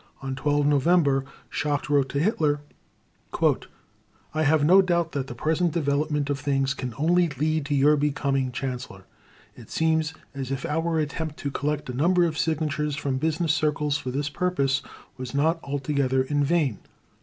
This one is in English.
On 12 November Schacht wrote to Hitler: "I have no doubt that the present development of things can only lead to your becoming Chancellor. It seems as if our attempt to collect a number of signatures from business circles for this purpose was not altogether in vain